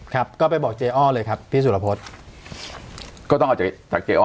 ครับก็ไปบอกเจ๊อ้อเลยครับพี่สุรพฤษก็ต้องเอาจากเจ๊อ้อ